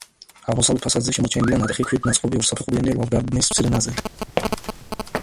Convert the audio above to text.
აღმოსავლეთ ფასადზე შემორჩენილია ნატეხი ქვით ნაწყობი ორსაფეხურიანი ლავგარდნის მცირე ნაწილი.